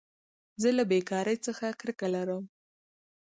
زه له بېکارۍ څخه کرکه لرم.